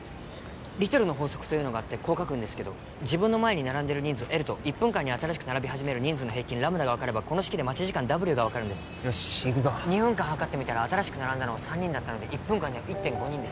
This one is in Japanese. リトルの法則というのがあってこう書くんですけど自分の前に並んでる人数Ｌと１分間に新しく並び始める人数の平均λが分かればこの式で待ち時間Ｗが分かるんですよし行くぞ２分間計ってみたら新しく並んだのは３人だったので１分間には１．５人です